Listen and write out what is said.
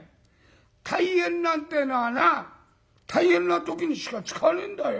大変なんてえのはな大変な時にしか使わねえんだよ。